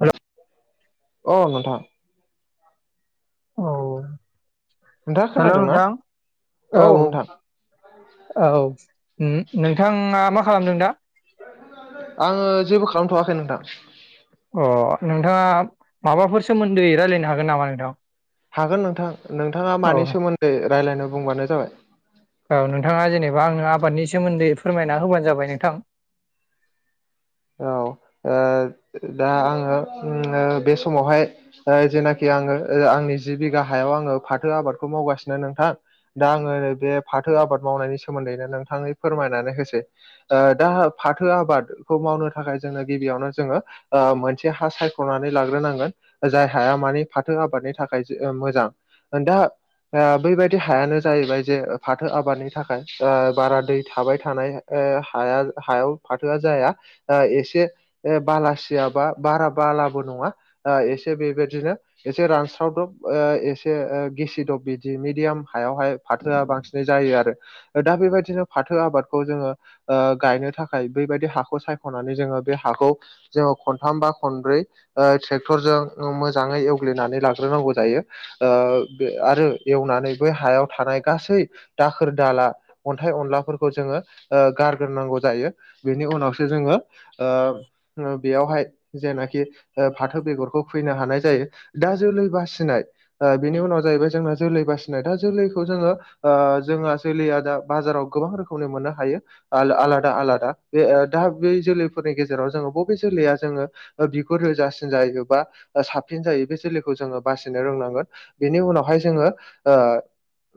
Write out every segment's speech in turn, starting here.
हेल' अ नोंथां। औ। नोंथाङा हेल' खोनादोंना नोंथां औ। औ उम नोंथाङा मा खालामदों दा? आङो जेबो खालामथ'वाखै नोंथां। अ नोंथाङा माबाफोर सोमोन्दै रायजलायनो हागोन नामा नोंथां? हागोन नोंथां, नोंथाङा औ मानि सोमोन्दै रायलायनो बुंबानो जाबाय? औ नोंथाङा जेनोबा आंनो आबादनि सोमोन्दै फोरमायना होबानो जाबाय नोंथां। औ, ओ दा आङो ओम बे समावहाय ओ जेनाखि आङो ओ आंनि जि बिघा हायाव आङो फाथो आबादखौ मावगासिनो नोंथां। दा आङो नैबे फाथो आबाद मावनायनि सोमोन्दैनो नोंथाङै फोरमायनानै होसै। ओ दा फाथो आबाद खौ मावनो थाखाय जोङो गिबियावनो जोङो ओ मोनसे हा सायख'नानै लाग्रोनांगोन। जाय हाया मानि फाथो आबादनि थाखाय जो मोजां दा आ बैबायदि हायानो जाहैबाय जे फाथो आबादनि थाखाय ओ बारा दै थाबाय थानाय ओ हाया हायाव फाथोया जाया ओ एसे ए बालासियाबा बारा बालाबो नङा ओ एसे बेबायदिनो एसे रानस्रावदब ओ एसे ओ गिसिदब बिदि मिदियाम हायावहाय फाथोआ बांसिनै जायो आरो। दा बेबायदिनो फाथो आबादखौ जोङो ओ गायनो थाखाय बेबायदि हाखौ साय खननानै जोङो बे हाखौ जोङो खनथाम बा खनब्रै ओ ट्रेक्टरजों औ मोजाङै एवग्लिनानै लाग्रोनांगौ जायो। ओ बे आरो एवनानै बै हायाव थानाय गासै दाखोर दाला अन्थाइ अनलाफोरखौ जोङो ओ गारग्रोनांगौ जायो बेनि उनावसो जोङो ओ बेयावहाय जेनाखि ओ फाथो बेगरखौ खुइनो हानाय जायो। दा जोलै बासिना ओ बिनि उनाव जाहैबाय जोंना जोलै बासि नाय दा जोलैखौ जोङो ओ जोंहा जोलैया दा बाजाराव गोबां रोखोमनि मोननो हायो। आल आलादा आलादा बे ओ दा बै जोलैफोरनि गेजेराव जोङो बबे जोलैया जोङो ओ बिगुर रोजासिन जायो बा ओ साबसिन जायो बे जोलैखौ जोङो बासिनो रोंनांगोन। बेनि उनावहाय जोङो ओ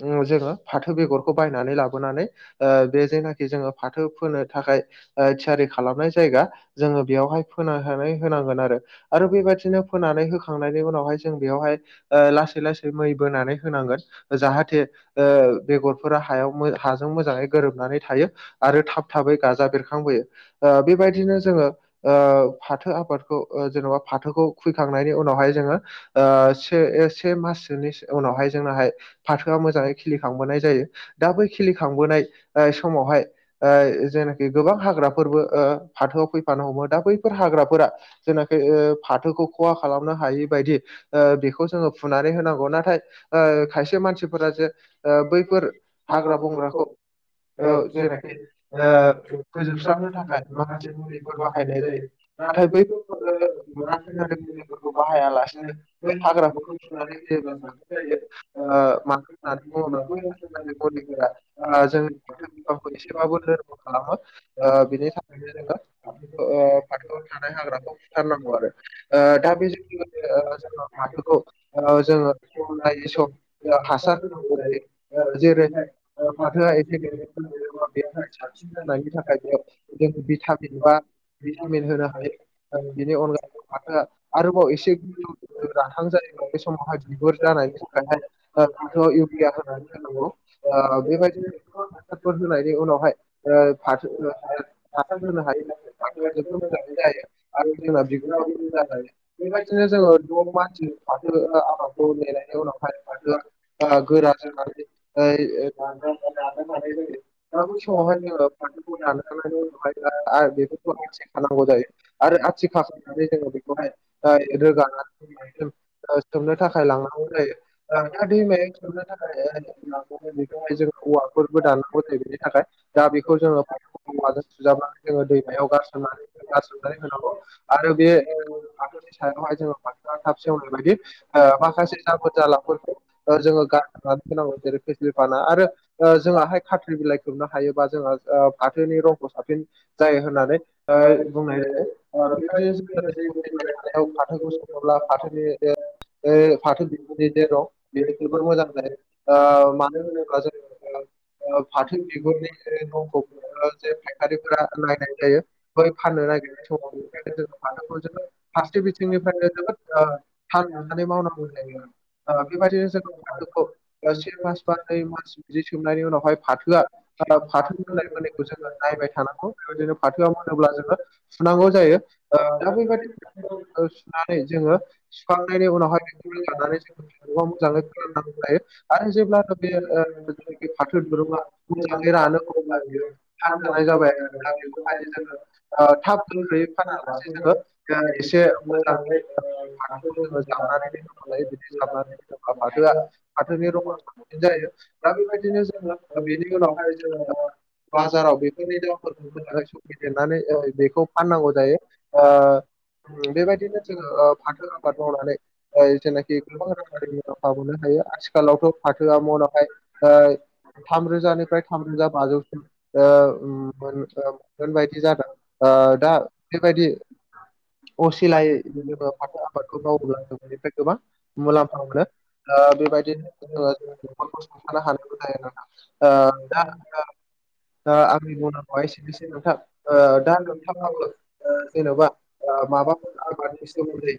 उम जोङो फाथो बेगरखौ बायनानै लाबोनानै ओ बे जेनाखि जोङो फाथो फोनो थाखाय ओ थियारि खालामनाय जायगा। जोङो बेयावहाय फोनानै होनांगोन आरो आरो बेबादिनो फोनानै होखांनायनि उनावहाय जों बेयावहाय ओ लासै-लासै मै बोनानै होनांगोन। जाहाथे ओ बेगरफोरा हायाव हाजों मोजाङै गोरोबनानै थायो। आरो थाब थाबै गाजा बेरखांबोयो बेबायदिनो जोङो ओ फाथो आबादखौ ओ जेन'बा फाथोखौ खुैखांनायनि उनावहाय जोङो से से माससोनि उनावहाय जोंनाहाय। फाथोआ मोजाङै खिलिखांबोनाय जायो दा बै खिलिखांबोनाय समावहाय ओ जेनाखि गोबां हाग्राफोरबो ओ फाथोआव फैफानो हमो दा बैफोर हाग्राफोरा जेनाखि फाथोखौ खहा खालामनो हायि बायदि ओ बेखौ जोङो फुनानै होनांगौ नाथाय ओ खायसे मानसिफोरा जे ओ बैफोर हाग्रा बंग्राखौ [inaudible] [unintelligible] औ ओ जे जायनाखि ओ फोजोबस्रांनो थाखाय माखासे मुलिफोर बाहायनाय जायो। नाथाय बेफोर रायनारि मुलिफोरखौ बाहायालासिनो बै हाग्राफोरखौ फुनानै मानो होननानै बुङोब्ला मदिफोरा हाग्राखौथ' [unintelligible] [inaudible] जोंनि बिफांखौ एसेबाबो लोरब खालामो बेनि थाखायनो आरो [inaudible] [unintelligible] फाथोआव थानाय हाग्राखौ सुथारनांगौ आरो दा बेजों लोगोसे जोङो सननाय बाथोखौ ओ जोङो सम हासार हासार होनांगौ जायो जेरै गहाय फाथोआ एसे गेल [inaudible] [inaudible] [unintelligible] [inaudible] [unintelligible] [inaudible] बा बेनि हायो राथां जायो बे समावहाय बिगुर जानाय थाखायहाय। फाथोआव हासार इउरिया होनो होनांगौ ओ बेबायदिनो हफोर होनायनि उनावहाय होनो हायो। [inaudible] बेफोर मोजाङै जायो आरो जोंना बिफोराव बेनो [unintelligible] जाबाय बिदिनो जोङो बेबायदिनो द' मानसि मासनि फाथो आादखौायनायनि आबादखौ उनावह फाथोआ राननो हानाय जायो [unintelligible] [inaudible] दा [unintelligible] [inaudible] बे समावहाय जोङो फाथोखौ राननानैबो आ खालामांगौ जायो आरो आथिखाल खालामनानै जोङो बेखौहाय रोगाना [inaudible] [unintelligible] थुमनो थाखाय लाांनो थाखाय [unintelligible] जो औवाफोरबो दानांगौ जायो बेनि थाखाय दा बेखौ जोङो अवाजों सुजाबनानै जोङो दैमायाव गारसोमनानै गारसोमनानै होनांगौ आरो बे फाथोनि सायावहाय जोङो फाथोआ थाब सेवनाय बायदि ओ माखासे जाबोर जालाफोरखौ ओ जोङो गारना होनांगौ। जेरै फेसिलि बाना आरो बे जोंङाहाय खाथ्रि बिलाइ खोबनो हायोबा जोंहा फाथोनि रंखौ साबसिन जायो होननानै बुंनाय जायो बेबायदिनो जोङो जै [unintelligible] [inaudible] फैबाय थानायाव फाथोखौ सङोब्ला फाथोनि फाथो बिनि जे रं बेयो जोबोर मोजां ज बोखैबाय मानो होनोब्ला जों फाथो बिगुरनि [unintelligible] जे फायखारिफोरा एसे नायनाय जायो बै फाननो नागिरनाय समाव फारथि बिथिंनिफ्रायनो जोबोद ओ [unintelligible] [inaudible] मास बिदि सोबनायनि उनावहाय फाथोआ फाथो मोननाय मोननायखौ जोङो नायबाय थानांगौ बेबायदिनो फाथोआ मोनोब्ला जोङो सुनांगौ जायो दा बेैबादि सुनानै जोङो सुखांनायनि उनावहाय [inaudible] [inaudible] आरो जेब्लानो ओ बे जि फाथो दिरुंआ [unintelligible] जाबाय फानजानाय आरोना बेखौहाय जोङो जाबाय ओ थाब गोख्रैयै [inaudible] फानालासे जोङो ओ एसे मोजां मोजाङै फाथोखौ जोङो ओ [inaudible] अब्ला फाथोआ फाथोनि रङा साबसिन जायो दा बेबायदिनो ओ जों बेनि उनआवहाय जोङो ओ [unintelligible] ओ बेखौ फाननांगौ जायो। ओ बेबायदिनो जोङो फाथो आबाद मावनानै ओ जेनाखि गोबां [unintelligible] मोननो हायो। आथिखालावथ' फाथोआ मनावहाय थामरोजानिफ्राय थामरोजा बाजौसिम ओ मोन मोनगोन बायदि जादों। ओ दा बेबायदि असिलायै सोरबा फाथो आबादखौ मावोब्ला जों बेनिफ्राय गोबां मुलाम्फाखौ सुंथानो हानांगौ जायो [inaudible] नोंथां ओ दा ओ आंनि बुंनांगौआ एसेनोसै नोंथां। ओ दा [inaudible] जेन'बा ओ माबा सोमोन्दै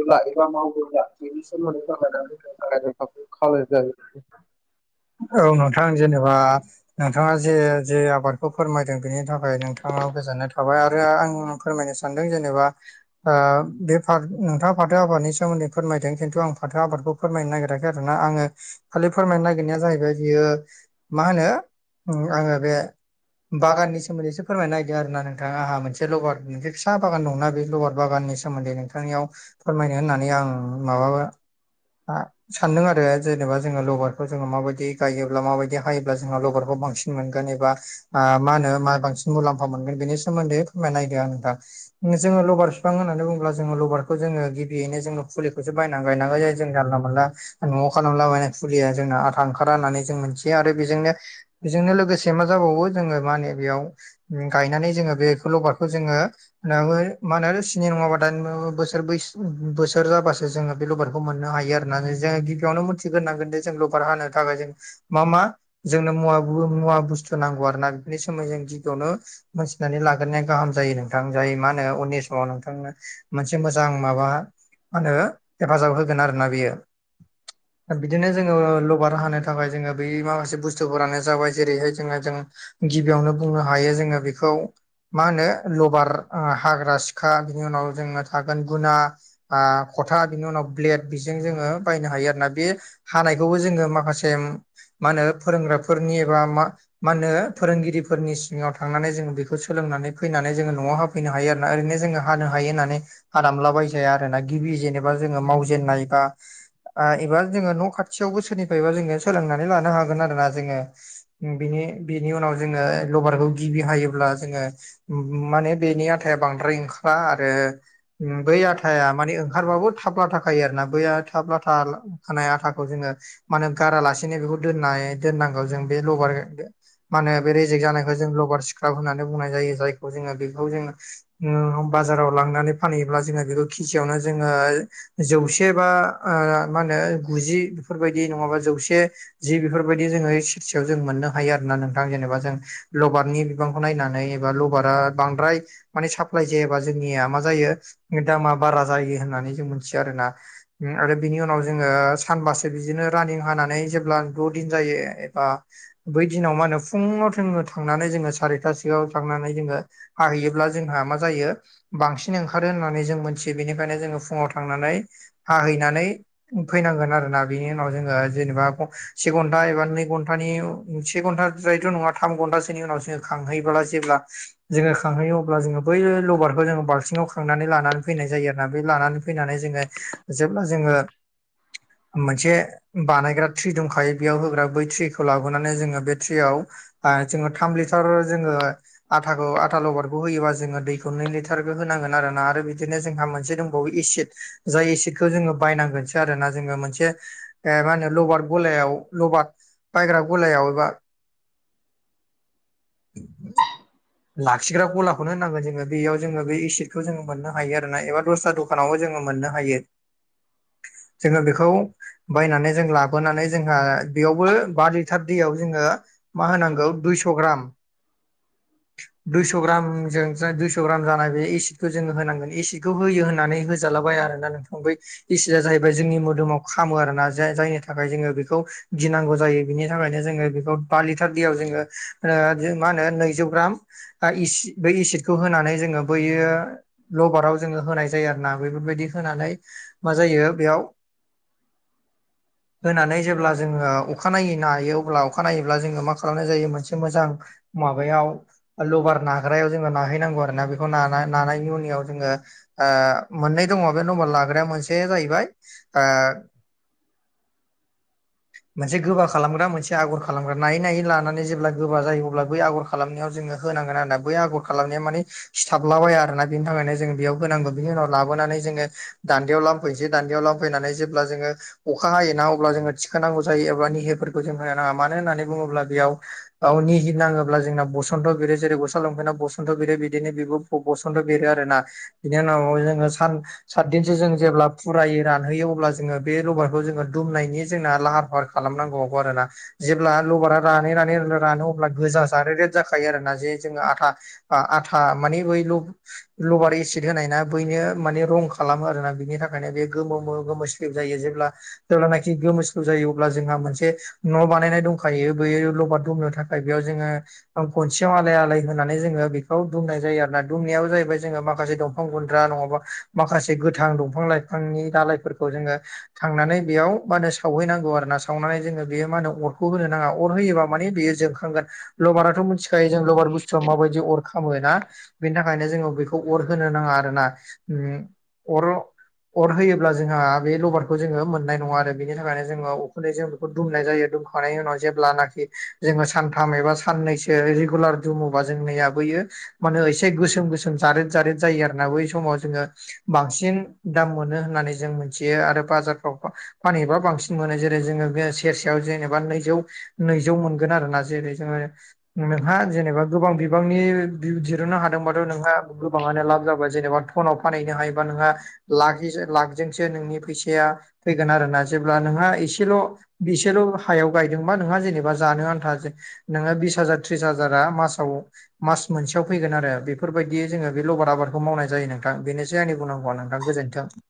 [unintelligible] [inaudible] खालायजायोबो। औ नोंथां जेनेबा नोंथाङा जे जे आबाद खौ फोरमायदों बेनि थाखाय नोंथांनाव गोजोननाय थाबाय आरो आं फोरमायनो सानदों जेनेबा ओ बेफार नोंथाङा फाथो आबादनि सोमोन्दै फोरमायदों खिन्थु आं फाथो आबादखौ फोरमायनो नागिराखै आरोना आङो खालि फोरमायनो नागिरनाया जाहैबाय बेयो मा होनो ओ आङो बे बागाननि सोमोन्दै एसे फोरमाय नागिरदों आरो ना नोंथाङा आंहा मोनसे लबार मोनसे फिसा बागान दंना बे लबार बागाननि सोमोन्दै नोंथांनियाव फोरमायनो होननानै आं माबाबा ओ सान्दों आरो जेनेबा जोङो लबारखौ जोङो माबायदि गायोब्ला माबायदि हायोब्ला जोंना लबारखौ बांसिन मोनगोन एबा ओ मा होनो मा बांसिन मुलाम्फा मोनगोन बेनि सोमोन्दै होमबा नायदो आं नोंथां जोङो लबार बिफां होननानै बुङोब्ला जोङो लबारखौ जोङो गिबियैनो जों फुलिखौसो बायनानै गायनांगौ जायो। जों जानला मोनानला न'आव खालामलाबायनाय फुलिया जोंना आथा भारा होननानै जों मोनथियो आरो बेजोंनो बेजोंनो लोगोसे मा जाबावो जोङो मा होनो बेयाव ओं गायनानै जोङो बेखौ लबारखौ जोङो दाबो मानो स्नि नङाबा दाइन बोसोर बैसो बोसोर जाबासो जोङो बे लबारखौ मोन नो हायो आरोना। जोङो गिबियावनो मोनथिग्रोनांगोन जों लबार हानो थाखाय जों मा मा जोंनो मुवा मुवा बुस्थु नांगौ आरो ना बिनि सोमोनदै जों गिबियावनो मोनथिनानै लाग्रोनाया गाहाम जायो नोंथां, जाय मा होनो उननि समाव नोंथांनो मोनसे मोजां माबा मा होनो हेफाजाब होगोन आरोना बेयो। ओ बिदिनो जोङो लबार खौ हानो थाखाय जोङो बै माखासे बुस्थुफोरानो जाबाय जेरैहाय जोङो जों गिबियावनो बुंनो हायो जोङो बेखौ मा होनो लबार हाग्रा सिखा, बिनि उनाव जोंना थागोन गुना ओ खथा, ओ बेनि उनाव ब्लेड। बेजों जोङो बायनो हायो आरोना। बे हानायखौबो जोङो माखासे माखासे मा होनो फोरोंग्राफोरनि एबा मा मा होनो फोरोंगिरिफोरनि सिङाव थांनानै जोङो बेखौ सोलोंनानै फैनानै जोङो न'आव होफैनो हायो आरोना, ओरैनो जोङो हानो हायो होननानै हादामला बायजाया आरोना गिबि जेनेबा जोङो मावजेननाय बा ओ एबा जोङो न' खाथियावबो सोरनि सोलोंनानै लानो हागोन आरोना जोङो। बिनि उनाव जोङो लबारखौ गिबि हायोब्ला जोङो ओम माने बेनि आथाया बांद्राय ओंखारा आरो बै आथाया माने ओंखारबाबो थाब लाथा खायो आरोना बै थाब लाथा खानाय आथाखौ जोंङो मान होनो गारालासिनो बेखौ दोननाय दोननांगौ जों बे लबार मा होनो बे रिेजेक्ट जानायखौ जों लगार सक्राब होननानै बुंनाय जायो जायखौ जोंङो बेखौ जोंङो बाजाराव लांनानै फानहैयोब्ला जोङो बेखौ खिसियावनो जोंङो जौसे बा ओ मा होनो गुजि बेफोरबायदि नंङाबा जौसे जि बेफोरबायदि जो सेरसेयाव जों मोन हायो आरोना नोंथां जेनेबा जों लबारनि दंफांखौ नायनानै लभारा बांद्राय माने साप्लाय जायाबा जोंनिया मा जायो। दामा बारा जायो होननानै जों मिथियो आरो ना आरो बिनि उनाव जोंङो सानबासो बिदिनो रानिं हाना नै जेब्ला द' दिन जायो एबा बै दिनाव मा होनो फुङाव थांनानै जोङो सारिथासोआव थांनानै जोंङो। हाहैयोब्ला जोंहा मा जायो बांसिन ओंखारो होननानै जों मोनथि बेनिखायनो जोंङो फुङाव थांनानै हाहैनानै फैनांगोन आरोना बेनि जोङो जेनेबा से घन्टा एबा नै घन्टानि से घन्ट द्रायथ' नङा थाम घन्टासोनि उनाव जोंङो खांहैयोब्ला जेब्ला जोङो खांहैयो अब्ला जोंङो। बै लबारखो जोंङो बाल्थिङाव खांनानै लानानै फैनाय जायो आरोना बे लानानै फैनानै जोंङो जेब्ला जोंङो। मोनसे बानायग्रा ट्रि दंखायो बेयाव होग्रा बै ट्रिखौ लाबोनानै जोंङो बे ट्रियाव बा जोंङो थाम लिटार जोंङो आथाखौ आथा लबारखौ होयोबा जों ङो दैखौ नै लिटारखौ होनांगोन आरोना आरो बिदिनो जोंहा मोनसे दंबावो एसिड जाय एसिदखौ जोंङो बायनांगोनसो आरो ना जोंङो मोनसे एबा मा होनो लबार गलायाव लबार बायग्रा गलायाव एबा [inaudible] लाखिग्रा गलाखौनो होनांगोन जोंङो बेयाव जोःङो बे एसिदखौ जोंङो मोननो हायो आरोना एबा दस्रा द दखानावबो जोंङो मोननो हायो जोंङो बेखौ बायनानै जों लाबोनानै जोंहा बेयावबो बा लिटार दैयाव जोंङो मा होनांगौ दुइस' ग्राम दुइस' ग्रामजों जा दुइस' ग्राम जानाय बे एसिदखौ जोंङो होनांगोन एसिडखौ होयो होननानै होजालाबाय आरोना बै एसिडा जाहैबाय जोंनि मोदोमाव खामो आरोना जाय- जायनि थाखाय जोंङो बेखौ गिनांगौ जायो बिनि थाखायनो जोंङो बेखौ बा लिटार दैयाव जोंङो ओ मा होनो नैजौ ग्राम बा इस बै एसिदखौ होनानै जोंङो बैयो लबाराव जोंङो होनाय जायो आरोना बेफोरबायदि होनानै मा जायो बेयाव होनानै जेब्ला जोंङो अखाानायनायै हायो अब्ला अखा नायोब्ला जोंङो मा खालामनाय जायो मोनसे मोजां माबायाव लबार नाग्रायाव जोंङो नाहैनांगौ आरो ना बेखौ नानाय-नानायनि उनाव जोंङो ओ मोननै दंङ' बे नम्बार लाग्राया मोनसे जाहैबाय ओ मोनसे गोबा खालामग्रा मोनसे आगर खालामग्रा नायै नायै लानानै जेब्ला गोबा जायो अब्ला बै आगर खालामनायाव जोंङो। होनांगोन आरो ना बै आगर खालामनाया माने सिथाबलाबायाया आरो ना बिनि थाखायनो जों बेयाव होनांगौ बिनि उनाव लाबोनानै जोंङो दान्देयाव लांफैसै दान्देयाव फैनानै जेब्ला जोंङो अखा हायोना अब्ला जोंङो थिखानांगौ जायो एब्ला निहोफोरखौ जों होनो नांङा मानो होननानै बुङोब्ला बेयाव औ निजि नांङोब्ला जोंना बसन्थ बिरो जेरै गस्ला लंफेनआव बसन्थ' बेरो बिदिनो बिब बसथ' बेरो आरोना बिनि उनाव जोंङो सान सातदिनसो जों जेब्ला फुरायै रानहोयो अब्ला जों बे लबार खौ जोंङो दुमनायनि जोंना लाहार फाहार खालामनांबावगौ आरोना जेब्ला लबारा रानै रानै रानो अ ब्ला गोजा जारे रेट जाखायो आरोना जे जोंङो आथा आथा माने बैल' लभार एसिद होनाय ना बैनो माने रं खालामो आरोना बिनि थाखाय माने बे गोमो मो गोमो स्लिब जायो जेब्ला जेब्लानाखि गोमोस्रो जायो अब्ला जोंहा मोनसे न' बानायनाय दंखायो बेयो लबार दुमनो थाखाय [unintelligible] बेयाव जोङो ओ खनसेयाव आलाय आलाय होनानै जोङो बेखौ दुमनाय जायो आरो ना दुमनायाव जाहैबाय जोङो माखासे दंफां गुन्द्रा नङाबा माखासे गोथां दंफां-लाइफांनि दालइफोरखौ जोङो थांनानै बेयाव मा होनो सावहैनांगौ आरोना सावनानै जोङो बेयो मा होनो अरखौ होनो नाङा अर होयोबा माने बेयो जोंख खांगोन लबाराथ' मिथिखायो जों लबार बुस्थुवा माबायदि अर खामोना बिनि थाखायनो जोङो बेखौ अर होनो नाङा आरो ना उम अर अर होयोब्ला जोंहा बे लबार खौ जोङो मोननाय नङा आरो बिनि थाखायनो जोङो उखुन्दैजों बेखौ दुमनाय जायो दुमखांनायनि उनाव जेब्लानाखि जोङो सानथाम एबा साननैसो रिगुलार दुमोबा जोंनिया बैयो माने एसे गोसोम गोसोम जारेद जारेद जायो आरोना बै समाव जोङो बांसिन दाम मोनो होननानै जों मिथियो आरो बाजारफ्राव बा फानैबा बांसिन मोनो जेरै जोंङो सेरसेआव जेनेबा नैजौ नैजौ मोन गोन आरोना जेरै जोङो नोंहा जेनेबा गोबां बिबांनि दिहुननो हादोंबाथ' नोंहा गोबाङानो लाब जाबाय जेनेबा टनाव फानहैनो हायोबा नोंहा लाख [unintelligible] लाखजोंसो नोंनि फैस या फैगोन आरोना जेब्ला नोंहा एसेल' इसेल' हायाव गायदोंबा नोंहा जेनेबा जानो आन्थाजे नोंङा बिस हाजार त्रिस हाजारा मासाव मास मोनसेयाव फैगोन आरो बेफोरबायदि जोङो बे लबार आबादखौ मावनाय जायो नोंथां बेनो [unintelligible] आंनि बुंनांगौवा नोंथां गोजोन्थों